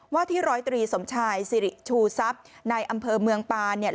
ว่าที่๑๐๓สมชายสิริชูทรัพย์นายอำเภอเมืองปานเนี่ย